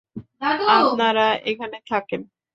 আপনারা এখানে থাকেন।